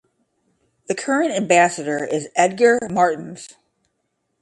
The current Ambassador is Edgar Martins.